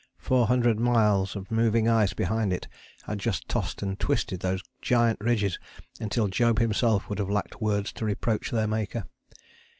Four hundred miles of moving ice behind it had just tossed and twisted those giant ridges until Job himself would have lacked words to reproach their Maker.